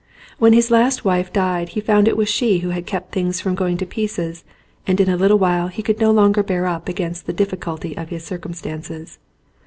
When his last wife died he found it was she who had kept things from going to pieces and in a little while he could no longer bear up against the difficulty of his circumstances.